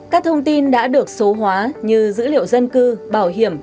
các thông tin đã được số hóa như dữ liệu dân cư bảo hiểm